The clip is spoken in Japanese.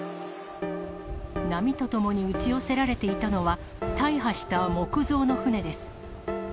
波とともに打ち寄せられていたのは、大破した木造の船です。